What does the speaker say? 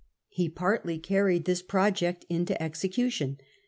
He partly carried this pro ject into execution.